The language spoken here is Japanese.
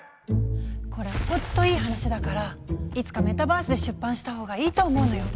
これほんといい話だからいつかメタバースで出版した方がいいと思うのよ。